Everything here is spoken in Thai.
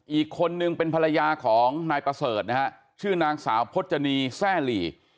อีกคนนึงเป็นภรรยาของนายประเสริฐนะฮะชื่อนางสาวพจนีแซ่หลี